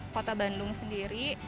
kota bandung sendiri